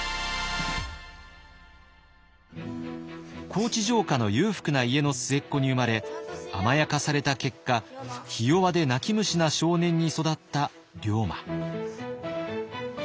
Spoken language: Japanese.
高知城下の裕福な家の末っ子に生まれ甘やかされた結果ひ弱で泣き虫な少年に育った龍馬。